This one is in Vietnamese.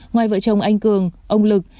ngoài vợ chồng anh cường ông lực